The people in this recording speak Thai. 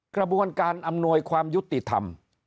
กระบวนการอำนวยความยุติธรรม